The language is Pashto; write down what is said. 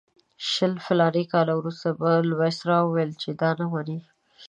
شل فلاني کاله وروسته بل وایسرا وویل چې دا نه مني.